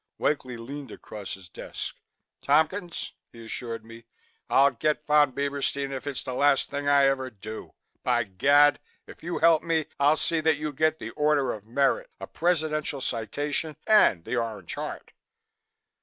Wakely leaned across his desk. "Tompkins," he assured me, "I'll get Von Bieberstein if it's the last thing I ever do. By Gad! If you help me, I'll see that you get the Order of Merit, a Presidential citation and the Orange Heart."